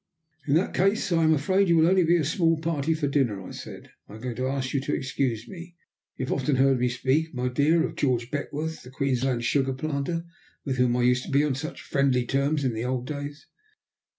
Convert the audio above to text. "In that case I am afraid you will only be a small party for dinner," I said. "I am going to ask you to excuse me. You have often heard me speak, my dear, of George Beckworth, the Queensland sugar planter, with whom I used to be on such friendly terms in the old days?"